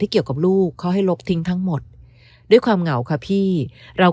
เกี่ยวกับลูกเขาให้ลบทิ้งทั้งหมดด้วยความเหงาค่ะพี่เรา